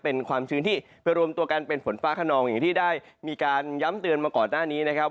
เป็นความชื้นที่ไปรวมตัวกันเป็นฝนฟ้าขนองอย่างที่ได้มีการย้ำเตือนมาก่อนหน้านี้นะครับ